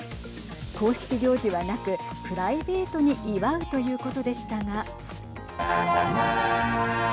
公式行事はなく、プライベートに祝うということでしたが。